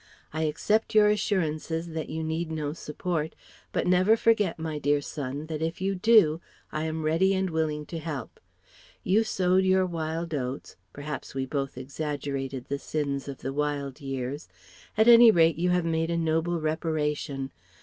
I accept your assurances that you need no support; but never forget, my dear Son, that if you do, I am ready and willing to help. You sowed your wild oats perhaps we both exaggerated the sins of the wild years at any rate you have made a noble reparation.